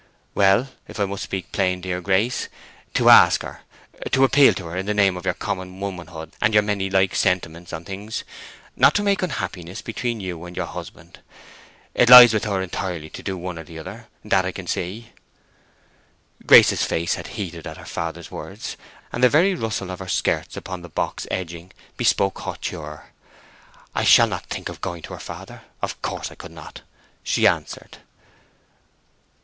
"Well—if I must speak plain, dear Grace—to ask her, appeal to her in the name of your common womanhood, and your many like sentiments on things, not to make unhappiness between you and your husband. It lies with her entirely to do one or the other—that I can see." Grace's face had heated at her father's words, and the very rustle of her skirts upon the box edging bespoke hauteur. "I shall not think of going to her, father—of course I could not!" she answered.